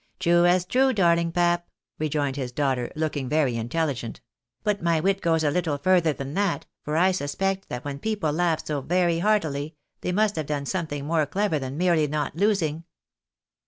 " True as true, darling pap !" rejoined his daughter, looking very intelligent ;" but my wit goes a little further than that, for 1 suspect that when people laugh so very heartily, thej must have done something more clever than merely not losing."